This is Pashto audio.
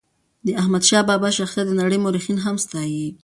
د احمد شاه بابا شخصیت د نړی مورخین هم ستایي.